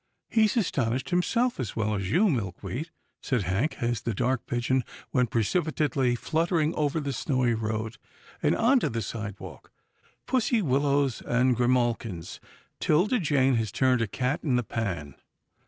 " He's astonished himself as well as you, Milk weed," said Hank, as the dark pigeon went precip itately fluttering over the snowy road, and on to the sidewalk. " Pussy willows and grimalkins ! 'Tilda Jane has turned a cat in the pan